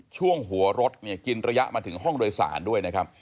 ช่วงหัวรถเนี่ยกินระยะมาถึงห้องโดยสารด้วยนะครับ